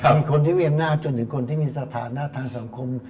มีคนที่มีอำนาจจนถึงคนที่มีสถานะทางสังคม